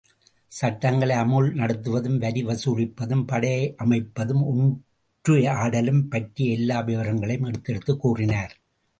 சட்டங்களை அமுல் நடத்துவதும், வரி வசூலிப்பதும், படையமைப்பதும், ஒற்று ஆடலும் பற்றிய எல்லா விவரங்களையும் எடுத்தெடுத்துக் கூறினார்.